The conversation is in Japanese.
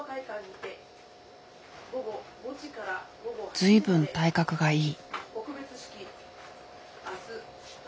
随分体格がいい。